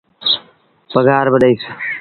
پگھآر مآݩ ڏئيٚس۔